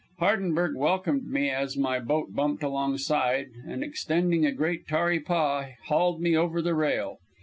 Hardenberg welcomed me as my boat bumped alongside, and extending a great tarry paw, hauled me over the rail.